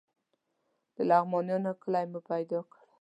د لغمانیانو کلی مو پیدا کړ.